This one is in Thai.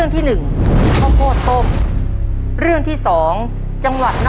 ข้อหนึ่งนโภตต้มอีกแหละ